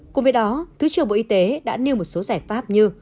cùng với đó thứ trưởng bộ y tế đã nêu một số giải pháp như